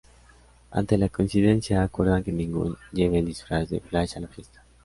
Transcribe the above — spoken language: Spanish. Ante la coincidencia, acuerdan que ninguno lleve el disfraz de Flash a la fiesta.